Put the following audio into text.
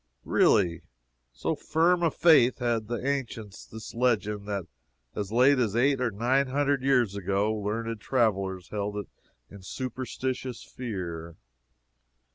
Really, so firm a faith had the ancients this legend, that as late as eight or nine hundred years ago, learned travelers held it in superstitious fear.